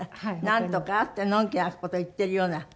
「ナントカ」ってのんきな事言ってるような。